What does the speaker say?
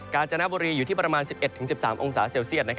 การจนบุรีอยู่ที่ประมาณ๑๑๑๓องศาเซลเซียต